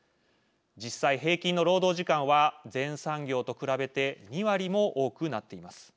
実際平均の労働時間は全産業と比べて２割も多くなっています。